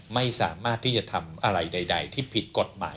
ไม่สามารถที่จะทำอะไรใดที่ผิดกฎหมาย